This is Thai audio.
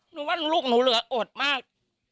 หนูว่าลูกหนูเหลืออดมาก